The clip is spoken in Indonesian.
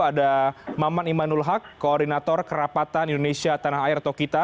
ada maman imanul haq koordinator kerapatan indonesia tanah air atau kita